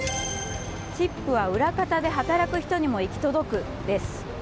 チップは裏方で働く人にも行き届くです。